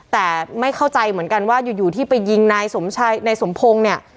แต่ไม่เข้าใจเหมือนกันว่าอยู่ที่ไปยิงนายสมชายนายสมพงศ์เนี่ย